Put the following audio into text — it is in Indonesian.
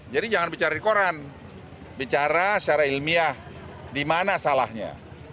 jadi jangan bicara di koran bicara secara ilmiah di mana salahnya